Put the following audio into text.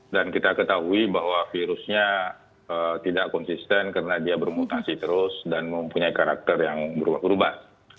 kita ketahui bahwa virusnya tidak konsisten karena dia bermutasi terus dan mempunyai karakter yang berubah ubah